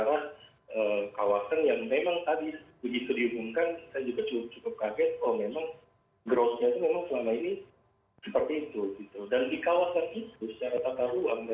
nah kalau kita lihat sebenarnya ini hubungannya nanti juga akan lebih terdampak pada di kota besar yang sudah menjadi inti perekonomian kalimantan timur yaitu tamarinda